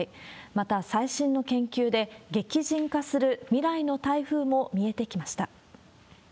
また、最新の研究で激甚化する未来の台風も見えてきました。